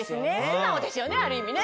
素直ですよねある意味ね。